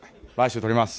とります。